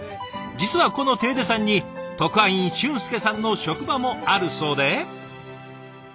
実はこのテイデ山に特派員俊介さんの職場もあるそうで。